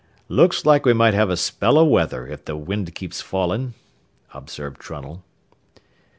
"Looks like we might have a spell o' weather if the wind keeps fallin'," observed Trunnell.